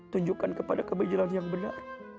tunjukkan kepada kami jalan yang benar